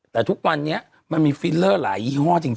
แต่ทุกวันนี้มันมีฟิลเลอร์หลายยี่ห้อจริง